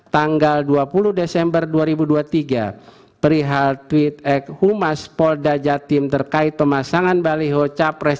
tanggal dua puluh desember dua ribu dua puluh tiga perihal tweet humas polda jatim terkait pemasangan baliho capres